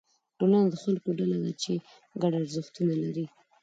ټولنه د خلکو ډله ده چې ګډ ارزښتونه لري.